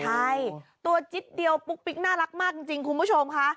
ใช่ตัวจิ๊ดเดียวปุ๊กปิ๊กน่ารักมากจริงคุณผู้ชมค่ะ